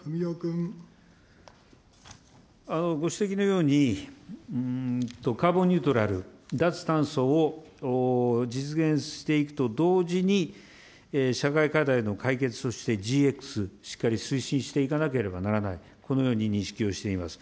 ご指摘のように、カーボンニュートラル、脱炭素を実現していくと同時に、社会課題の解決そしてＧＸ、しっかり推進していかなければならない、このように認識をしています。